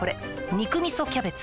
「肉みそキャベツ」